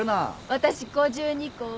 私５２個。